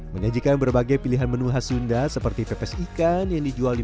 menyajikan berbagai pilihan menu khas sunda seperti pepes ikan yang dijual lima puluh rupiah